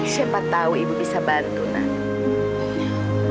siapa tahu ibu bisa bantu nak